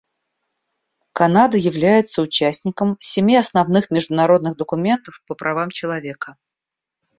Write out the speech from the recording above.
Канада является участником семи основных международных документов по правам человека.